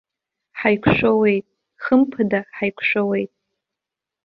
Ҳаиқәшәауеит, хымԥада ҳаиқәшәауеит!